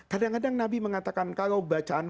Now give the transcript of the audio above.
kadang kadang nabi mengatakan kalau bacaan